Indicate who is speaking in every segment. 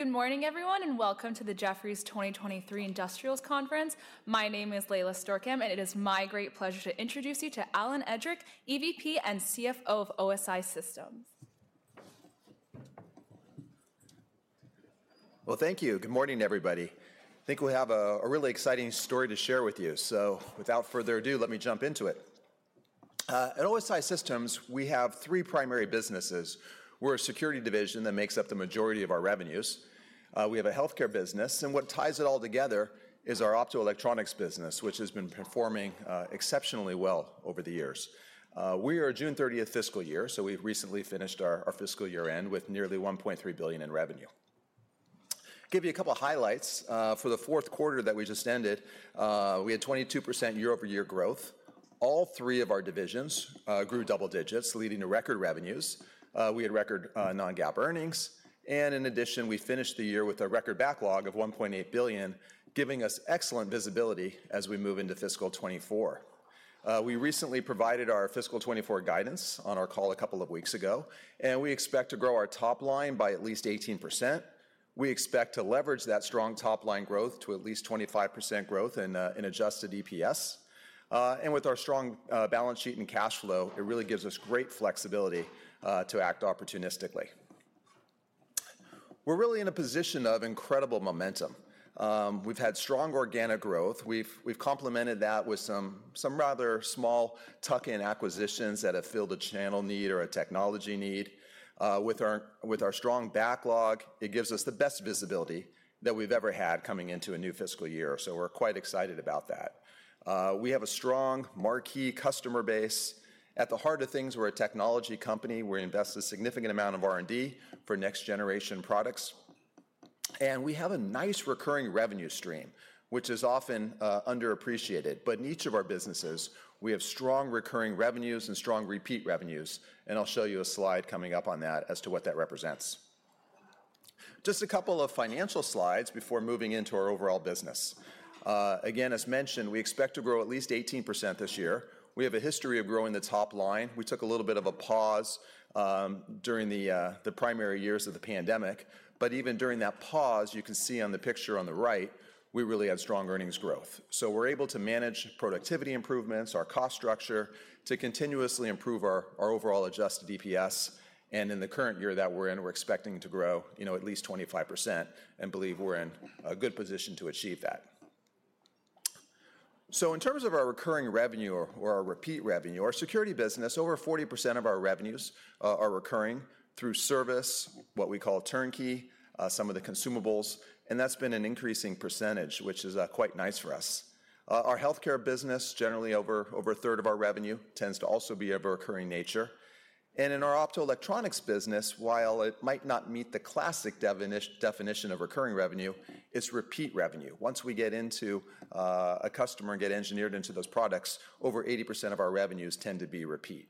Speaker 1: Good morning, everyone, and welcome to the Jefferies 2023 Industrials Conference. My name is Sela Korf, and it is my great pleasure to introduce you to Alan Edrick, EVP and CFO of OSI Systems.
Speaker 2: Well, thank you. Good morning, everybody. I think we have a really exciting story to share with you. So without further ado, let me jump into it. At OSI Systems, we have three primary businesses. We're a Security division that makes up the majority of our revenues. We have a Healthcare business, and what ties it all together is our Optoelectronics business, which has been performing exceptionally well over the years. We are a June thirtieth fiscal year, so we've recently finished our fiscal year-end with nearly $1.3 billion in revenue. Give you a couple highlights. For the fourth quarter that we just ended, we had 22% year-over-year growth. All three of our divisions grew double digits, leading to record revenues. We had record non-GAAP earnings, and in addition, we finished the year with a record backlog of $1.8 billion, giving us excellent visibility as we move into fiscal 2024. We recently provided our fiscal 2024 guidance on our call a couple of weeks ago, and we expect to grow our top line by at least 18%. We expect to leverage that strong top-line growth to at least 25% growth in adjusted EPS. And with our strong balance sheet and cash flow, it really gives us great flexibility to act opportunistically. We're really in a position of incredible momentum. We've had strong organic growth. We've complemented that with some rather small tuck-in acquisitions that have filled a channel need or a technology need. With our, with our strong backlog, it gives us the best visibility that we've ever had coming into a new fiscal year, so we're quite excited about that. We have a strong marquee customer base. At the heart of things, we're a technology company. We invest a significant amount of R&D for next-generation products, and we have a nice recurring revenue stream, which is often underappreciated. But in each of our businesses, we have strong recurring revenues and strong repeat revenues, and I'll show you a slide coming up on that as to what that represents. Just a couple of financial slides before moving into our overall business. Again, as mentioned, we expect to grow at least 18% this year. We have a history of growing the top line. We took a little bit of a pause during the primary years of the pandemic. But even during that pause, you can see on the picture on the right, we really have strong earnings growth. So we're able to manage productivity improvements, our cost structure, to continuously improve our overall adjusted EPS. And in the current year that we're in, we're expecting to grow, you know, at least 25% and believe we're in a good position to achieve that. So in terms of our recurring revenue or our repeat revenue, our security business, over 40% of our revenues are recurring through service, what we call turnkey, some of the consumables, and that's been an increasing percentage, which is quite nice for us. Our healthcare business, generally over a third of our revenue, tends to also be of a recurring nature. In our optoelectronics business, while it might not meet the classic definition of recurring revenue, it's repeat revenue. Once we get into a customer and get engineered into those products, over 80% of our revenues tend to be repeat.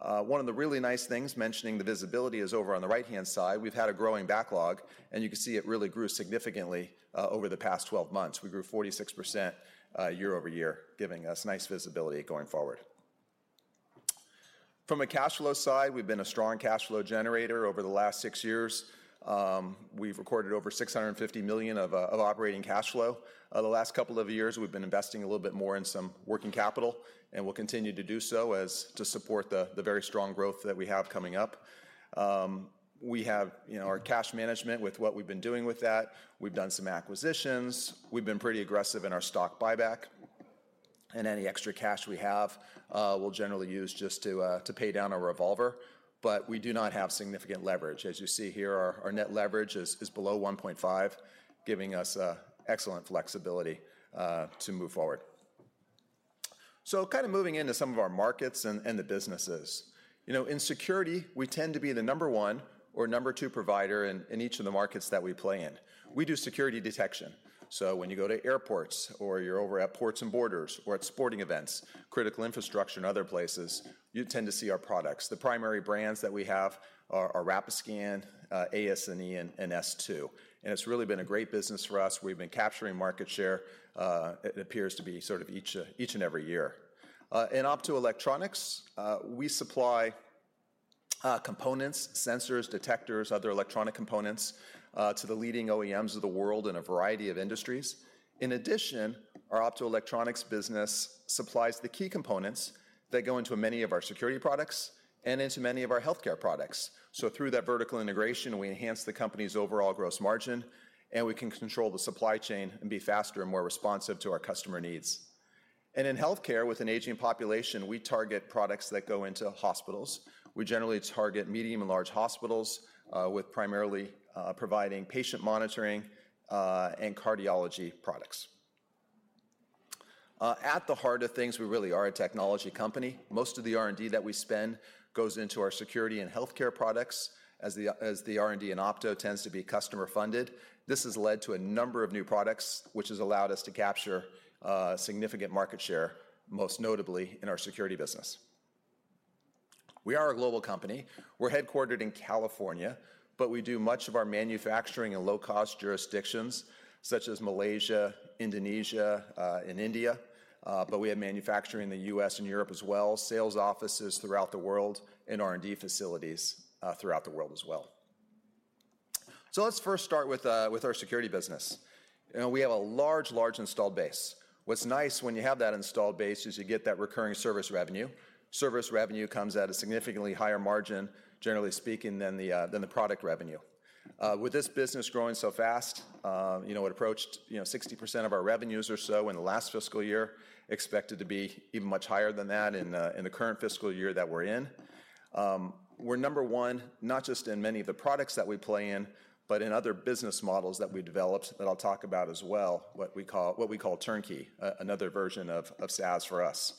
Speaker 2: One of the really nice things, mentioning the visibility, is over on the right-hand side. We've had a growing backlog, and you can see it really grew significantly over the past 12 months. We grew 46%, year-over-year, giving us nice visibility going forward. From a cash flow side, we've been a strong cash flow generator over the last 6 years. We've recorded over $650 million of operating cash flow. The last couple of years, we've been investing a little bit more in some working capital, and we'll continue to do so as to support the very strong growth that we have coming up. We have, you know, our cash management with what we've been doing with that. We've done some acquisitions. We've been pretty aggressive in our stock buyback, and any extra cash we have, we'll generally use just to pay down our revolver, but we do not have significant leverage. As you see here, our net leverage is below 1.5, giving us excellent flexibility to move forward. So kind of moving into some of our markets and the businesses. You know, in security, we tend to be the number one or number two provider in each of the markets that we play in. We do security detection, so when you go to airports or you're over at ports and borders or at sporting events, critical infrastructure, and other places, you tend to see our products. The primary brands that we have are Rapiscan, AS&E, and S2, and it's really been a great business for us. We've been capturing market share, it appears to be sort of each and every year. In optoelectronics, we supply components, sensors, detectors, other electronic components to the leading OEMs of the world in a variety of industries. In addition, our optoelectronics business supplies the key components that go into many of our security products and into many of our healthcare products. So through that vertical integration, we enhance the company's overall gross margin, and we can control the supply chain and be faster and more responsive to our customer needs. In healthcare, with an aging population, we target products that go into hospitals. We generally target medium and large hospitals, with primarily providing patient monitoring and cardiology products. At the heart of things, we really are a technology company. Most of the R&D that we spend goes into our security and healthcare products, as the R&D in Opto tends to be customer-funded. This has led to a number of new products, which has allowed us to capture significant market share, most notably in our security business. We are a global company. We're headquartered in California, but we do much of our manufacturing in low-cost jurisdictions such as Malaysia, Indonesia, and India. But we have manufacturing in the U.S. and Europe as well, sales offices throughout the world, and R&D facilities throughout the world as well. So let's first start with with our security business. You know, we have a large, large installed base. What's nice when you have that installed base is you get that recurring service revenue. Service revenue comes at a significantly higher margin, generally speaking, than the than the product revenue. With this business growing so fast, you know, it approached, you know, 60% of our revenues or so in the last fiscal year, expected to be even much higher than that in the in the current fiscal year that we're in. We're number one, not just in many of the products that we play in, but in other business models that we developed that I'll talk about as well, what we call turnkey, another version of SaaS for us.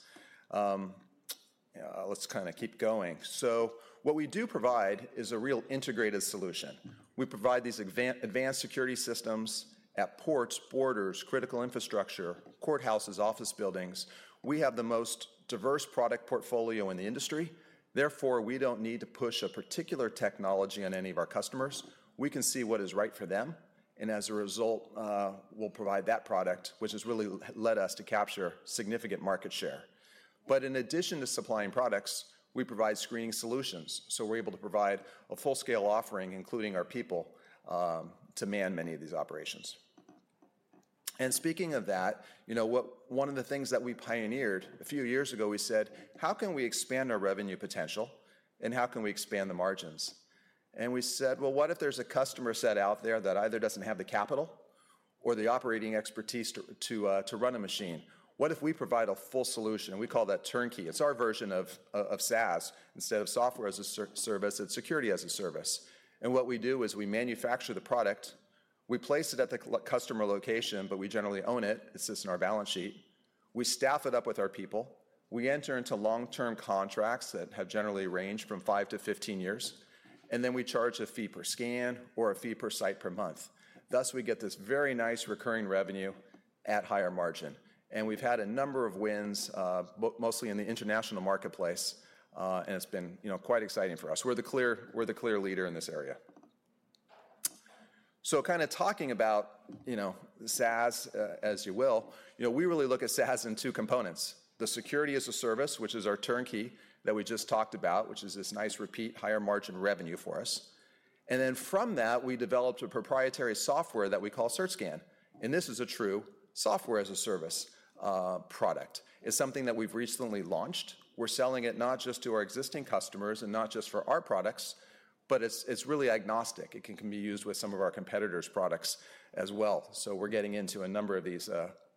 Speaker 2: Let's kinda keep going. So what we do provide is a real integrated solution. We provide these advanced security systems at ports, borders, critical infrastructure, courthouses, office buildings. We have the most diverse product portfolio in the industry. Therefore, we don't need to push a particular technology on any of our customers. We can see what is right for them, and as a result, we'll provide that product, which has really led us to capture significant market share. But in addition to supplying products, we provide screening solutions, so we're able to provide a full-scale offering, including our people, to man many of these operations. And speaking of that, you know, what one of the things that we pioneered, a few years ago, we said: How can we expand our revenue potential, and how can we expand the margins? And we said, "Well, what if there's a customer set out there that either doesn't have the capital or the operating expertise to run a machine? What if we provide a full solution?" And we call that turnkey. It's our version of SaaS. Instead of Software as a Service, it's Security as a Service. And what we do is we manufacture the product, we place it at the customer location, but we generally own it. It sits in our balance sheet. We staff it up with our people. We enter into long-term contracts that have generally ranged from 5 to 15 years, and then we charge a fee per scan or a fee per site per month. Thus, we get this very nice recurring revenue at higher margin. We've had a number of wins, but mostly in the international marketplace, and it's been, you know, quite exciting for us. We're the clear, we're the clear leader in this area. So kinda talking about, you know, SaaS, as you will, you know, we really look at SaaS in two components: the Security as a Service, which is our turnkey that we just talked about, which is this nice, repeat, higher margin revenue for us. Then from that, we developed a proprietary software that we call CertScan, and this is a true Software as a Service product. It's something that we've recently launched. We're selling it not just to our existing customers and not just for our products, but it's really agnostic. It can be used with some of our competitors' products as well, so we're getting into a number of these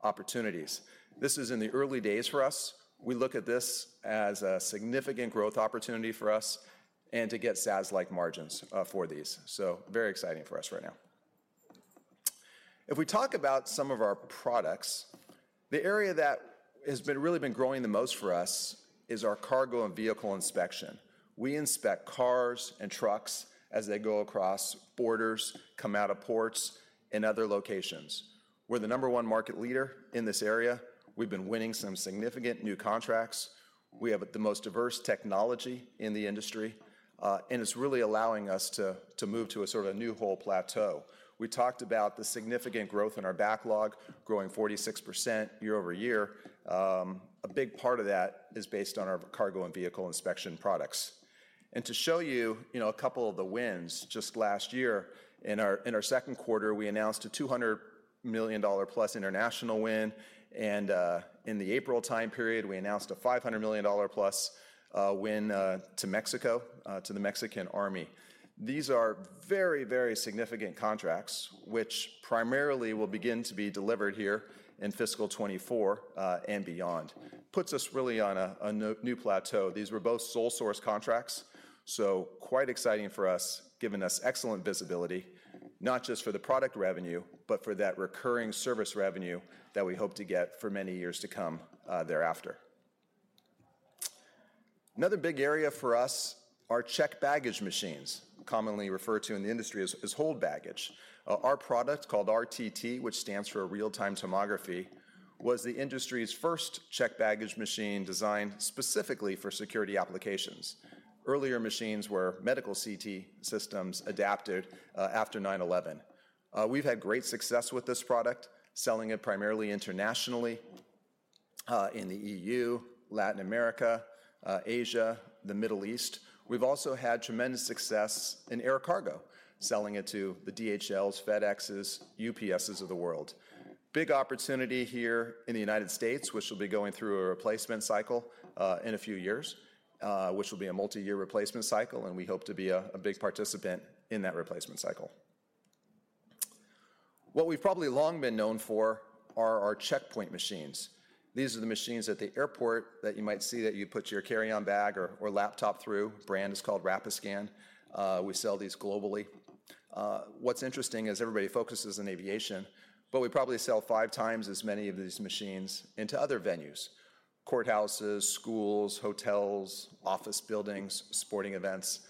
Speaker 2: opportunities. This is in the early days for us. We look at this as a significant growth opportunity for us and to get SaaS-like margins for these, so very exciting for us right now. If we talk about some of our products, the area that has really been growing the most for us is our cargo and vehicle inspection. We inspect cars and trucks as they go across borders, come out of ports, and other locations. We're the number one market leader in this area. We've been winning some significant new contracts. We have the most diverse technology in the industry, and it's really allowing us to move to a sort of a new whole plateau. We talked about the significant growth in our backlog, growing 46% year-over-year. A big part of that is based on our cargo and vehicle inspection products. To show you, you know, a couple of the wins, just last year in our second quarter, we announced a $200 million-plus international win, and in the April time period, we announced a $500 million-plus win to Mexico to the Mexican Army. These are very, very significant contracts, which primarily will begin to be delivered here in fiscal 2024 and beyond. Puts us really on a new plateau. These were both sole-source contracts, so quite exciting for us, giving us excellent visibility, not just for the product revenue, but for that recurring service revenue that we hope to get for many years to come, thereafter. Another big area for us are checked baggage machines, commonly referred to in the industry as hold baggage. Our product, called RTT, which stands for Real-Time Tomography, was the industry's first checked baggage machine designed specifically for security applications. Earlier machines were medical CT systems adapted, after 9/11. We've had great success with this product, selling it primarily internationally, in the EU, Latin America, Asia, the Middle East. We've also had tremendous success in air cargo, selling it to the DHLs, FedExes, UPSes of the world. Big opportunity here in the United States, which will be going through a replacement cycle, in a few years, which will be a multi-year replacement cycle, and we hope to be a, a big participant in that replacement cycle. What we've probably long been known for are our checkpoint machines. These are the machines at the airport that you might see that you put your carry-on bag or, or laptop through. Brand is called Rapiscan. We sell these globally. What's interesting is everybody focuses on aviation, but we probably sell five times as many of these machines into other venues: courthouses, schools, hotels, office buildings, sporting events,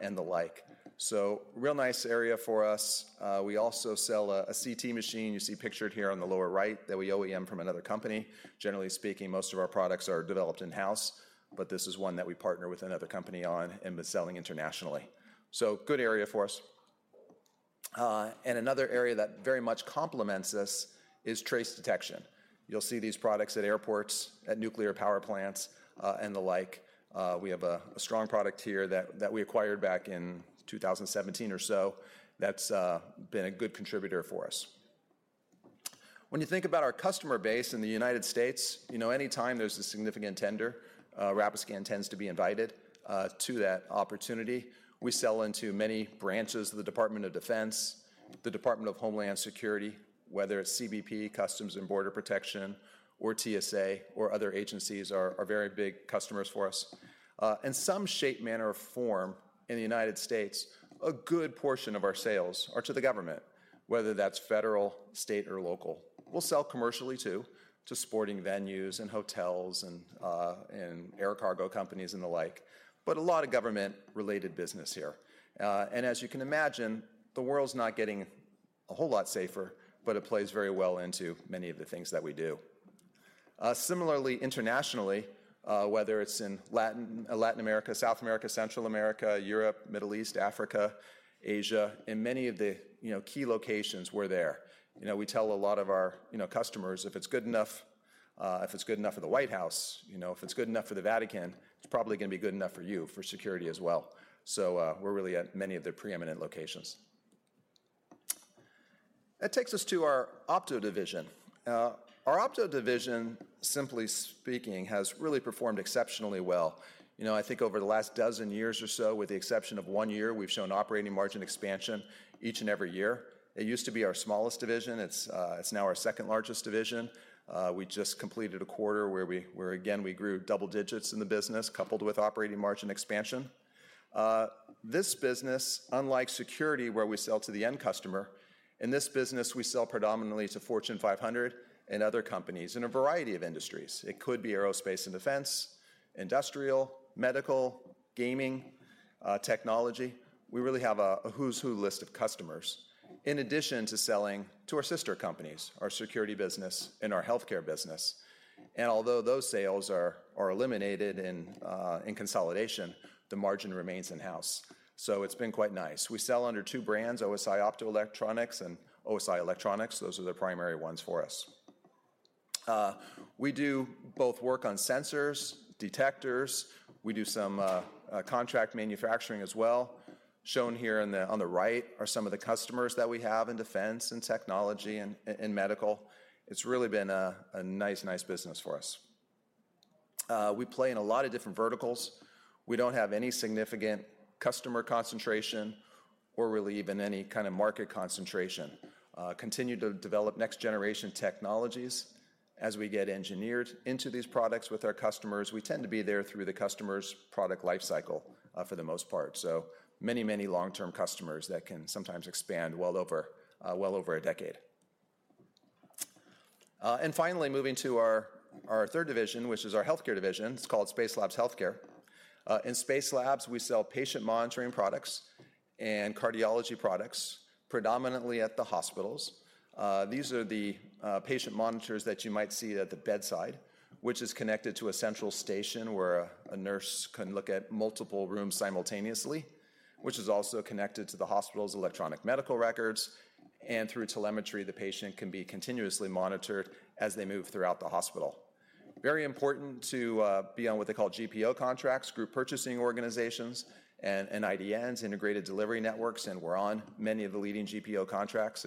Speaker 2: and the like. So real nice area for us. We also sell a, a CT machine you see pictured here on the lower right that we OEM from another company. Generally speaking, most of our products are developed in-house, but this is one that we partner with another company on and been selling internationally. So good area for us. And another area that very much complements this is trace detection.... You'll see these products at airports, at nuclear power plants, and the like. We have a strong product here that we acquired back in 2017 or so, that's been a good contributor for us. When you think about our customer base in the United States, you know, anytime there's a significant tender, Rapiscan tends to be invited to that opportunity. We sell into many branches of the Department of Defense, the Department of Homeland Security, whether it's CBP, Customs and Border Protection, or TSA, or other agencies are very big customers for us. In some shape, manner, or form in the United States, a good portion of our sales are to the government, whether that's federal, state, or local. We'll sell commercially, too, to sporting venues and hotels and, and air cargo companies and the like, but a lot of government-related business here. And as you can imagine, the world's not getting a whole lot safer, but it plays very well into many of the things that we do. Similarly, internationally, whether it's in Latin, Latin America, South America, Central America, Europe, Middle East, Africa, Asia, in many of the, you know, key locations, we're there. You know, we tell a lot of our, you know, customers, "If it's good enough, if it's good enough for the White House, you know, if it's good enough for the Vatican, it's probably gonna be good enough for you for security as well." So, we're really at many of the preeminent locations. That takes us to our Opto division. Our Opto division, simply speaking, has really performed exceptionally well. You know, I think over the last dozen years or so, with the exception of one year, we've shown operating margin expansion each and every year. It used to be our smallest division. It's now our second-largest division. We just completed a quarter where we again, we grew double digits in the business, coupled with operating margin expansion. This business, unlike security, where we sell to the end customer, in this business, we sell predominantly to Fortune 500 and other companies in a variety of industries. It could be aerospace and defense, industrial, medical, gaming, technology. We really have a who's who list of customers, in addition to selling to our sister companies, our security business and our healthcare business. And although those sales are eliminated in consolidation, the margin remains in-house, so it's been quite nice. We sell under two brands, OSI Optoelectronics and OSI Electronics. Those are the primary ones for us. We do both work on sensors, detectors. We do some contract manufacturing as well. Shown here on the right are some of the customers that we have in defense and technology and medical. It's really been a, a nice, nice business for us. We play in a lot of different verticals. We don't have any significant customer concentration or really even any kind of market concentration. Continue to develop next-generation technologies. As we get engineered into these products with our customers, we tend to be there through the customer's product life cycle, for the most part, so many, many long-term customers that can sometimes expand well over, well over a decade. And finally, moving to our, our third division, which is our healthcare division. It's called Spacelabs Healthcare. In Spacelabs, we sell patient monitoring products and cardiology products, predominantly at the hospitals. These are the patient monitors that you might see at the bedside, which is connected to a central station, where a nurse can look at multiple rooms simultaneously, which is also connected to the hospital's electronic medical records, and through telemetry, the patient can be continuously monitored as they move throughout the hospital. Very important to be on what they call GPO contracts, group purchasing organizations, and IDNs, integrated delivery networks, and we're on many of the leading GPO contracts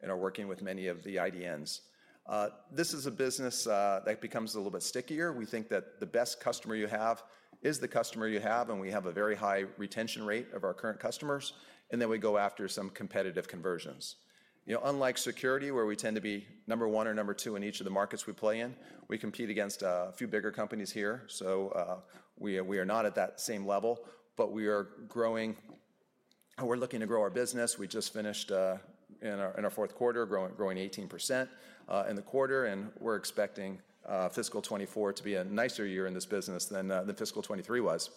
Speaker 2: and are working with many of the IDNs. This is a business that becomes a little bit stickier. We think that the best customer you have is the customer you have, and we have a very high retention rate of our current customers, and then we go after some competitive conversions. You know, unlike security, where we tend to be number one or number two in each of the markets we play in, we compete against a few bigger companies here, so we are not at that same level, but we are growing, and we're looking to grow our business. We just finished in our fourth quarter, growing 18% in the quarter, and we're expecting fiscal 2024 to be a nicer year in this business than fiscal 2023 was.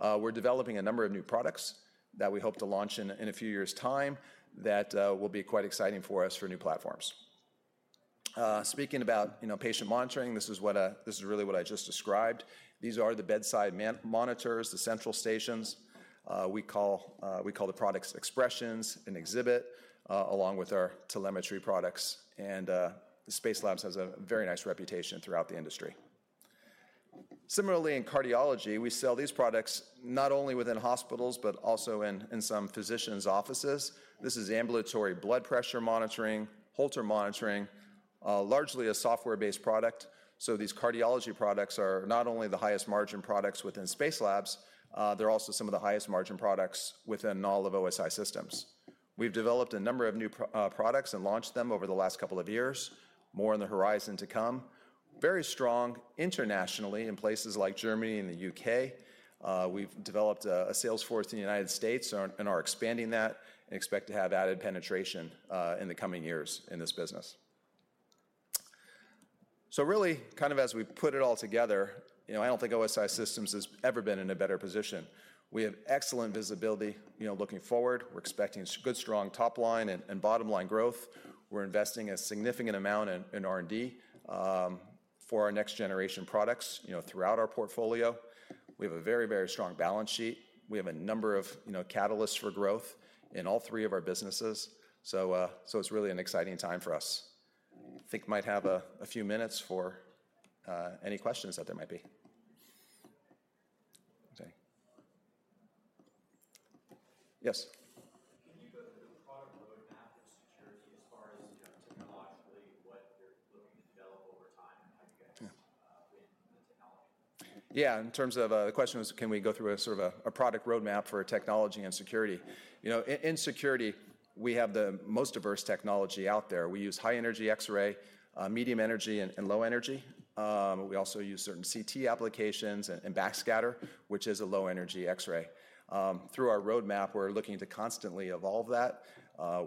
Speaker 2: We're developing a number of new products that we hope to launch in a few years' time that will be quite exciting for us for new platforms. Speaking about, you know, patient monitoring, this is what... This is really what I just described. These are the bedside monitors, the central stations. We call, we call the products Xprezzon and Xhibit, along with our telemetry products, and the Spacelabs has a very nice reputation throughout the industry. Similarly, in cardiology, we sell these products not only within hospitals but also in some physicians' offices. This is ambulatory blood pressure monitoring, Holter monitoring, largely a software-based product. So these cardiology products are not only the highest margin products within Spacelabs, they're also some of the highest margin products within all of OSI Systems. We've developed a number of new products and launched them over the last couple of years. More on the horizon to come. Very strong internationally in places like Germany and the UK. We've developed a sales force in the United States and are expanding that and expect to have added penetration in the coming years in this business. So really, kind of as we put it all together, you know, I don't think OSI Systems has ever been in a better position. We have excellent visibility. You know, looking forward, we're expecting good, strong top line and bottom line growth. We're investing a significant amount in R&D for our next-generation products, you know, throughout our portfolio. We have a very, very strong balance sheet. We have a number of, you know, catalysts for growth in all three of our businesses, so it's really an exciting time for us. I think we might have a few minutes for any questions that there might be. Okay. Yes?
Speaker 3: Can you go through the product roadmap of security as far as, you know, technologically, what you're looking to develop over time and how you guys-
Speaker 2: Yeah...
Speaker 3: win the technology?
Speaker 2: Yeah, in terms of, The question was, can we go through a sort of a product roadmap for our technology and security? You know, in security, we have the most diverse technology out there. We use high-energy X-ray, medium energy, and low energy. We also use certain CT applications and backscatter, which is a low-energy X-ray. Through our roadmap, we're looking to constantly evolve that.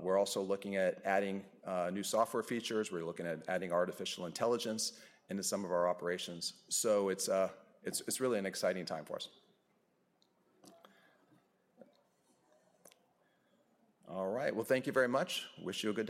Speaker 2: We're also looking at adding new software features. We're looking at adding artificial intelligence into some of our operations, so it's really an exciting time for us. All right. Well, thank you very much. Wish you a good-